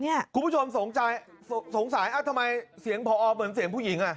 นี่คุณผู้ชมสงสัยทำไมเสียงผอเหมือนเสียงผู้หญิง